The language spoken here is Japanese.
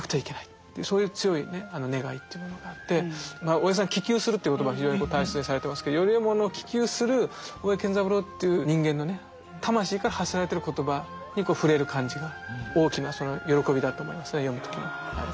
大江さんは「希求する」という言葉を非常に大切にされてますけどより良いものを希求する大江健三郎っていう人間のね魂から発せられてる言葉に触れる感じが大きな喜びだと思いますね読む時の。